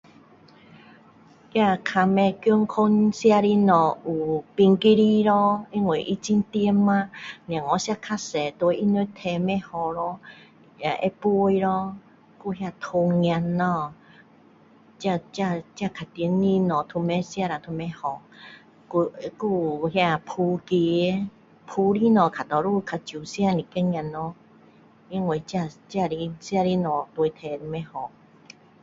那较不健康吃的东西有冰淇淋咯因为它很甜嘛孩子吃太多对他们体不好咯也会肥咯还有糖果咯这这这较甜的东西都不吃了都不好还还有那炸鸡炸的东西大多数较少吃一点点咯因为这这些这些东西对体不好